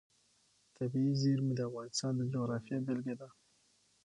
طبیعي زیرمې د افغانستان د جغرافیې بېلګه ده.